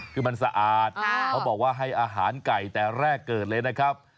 คือมันสะอาดเขาบอกว่าให้อาหารไก่แต่แรกเกิดเลยนะครับ